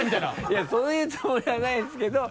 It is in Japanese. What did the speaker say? いやそういうつもりはないですけど。